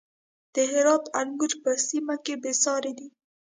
د هرات انګور په سیمه کې بې ساري دي.